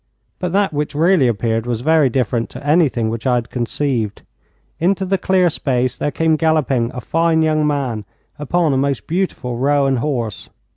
But that which really appeared was very different to anything which I had conceived. Into the clear space there came galloping a fine young man upon a most beautiful roan horse.